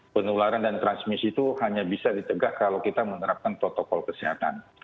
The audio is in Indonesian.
penularan dan transmisi itu hanya bisa ditegak kalau kita menerapkan protokol kesehatan